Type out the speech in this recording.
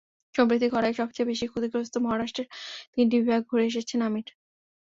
সম্প্রতি খরায় সবচেয়ে বেশি ক্ষতিগ্রস্ত মহারাষ্ট্রের তিনটি বিভাগ ঘুরে এসেছেন আমির।